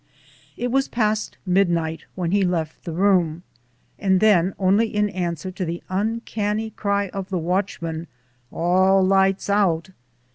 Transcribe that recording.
It was past midnight when he left the room; and then only in answer to the uncanny cry of the watchman: "All lights out."